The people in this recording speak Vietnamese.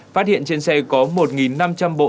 phát hiện trên xe có một năm trăm linh bộ